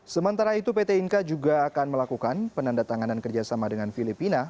sementara itu pt inka juga akan melakukan penandatanganan kerjasama dengan filipina